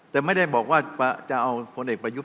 แต่ไม่ได้บอกว่าจะเอาพลเอกประยุทธ์